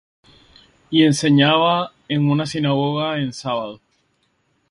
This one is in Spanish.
Y enseñaba en una sinagoga en sábado.